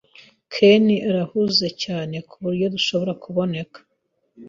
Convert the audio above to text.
Ken arahuze cyane kuburyo adashobora kuza.